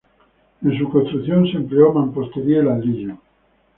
En su construcción se empleó mampostería y ladrillo.